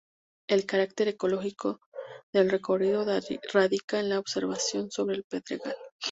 El carácter ecológico del recorrido radica en la observación sobre el pedregal.